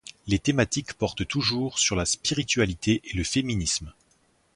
Les thématiques portent toujours sur la spiritualité et le féminisme.